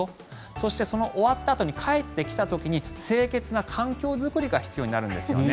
そして、終わったあとに帰ってきた時に清潔な環境作りが必要になるんですよね。